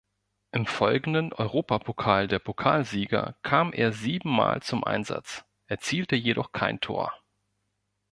Im folgenden Europapokal der Pokalsieger kam er siebenmal zum Einsatz, erzielte jedoch kein Tor.